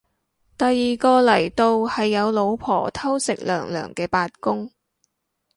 第二個嚟到係有老婆偷食娘娘嘅八公